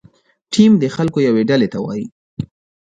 ټیم د خلکو یوې ډلې ته وایي.